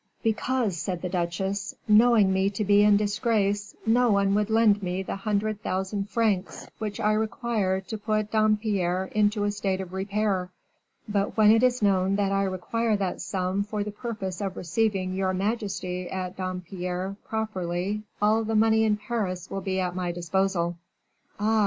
"Because," said the duchesse, "knowing me to be in disgrace, no one would lend me the hundred thousand francs, which I require to put Dampierre into a state of repair. But when it is known that I require that sum for the purpose of receiving your majesty at Dampierre properly, all the money in Paris will be at my disposal." "Ah!"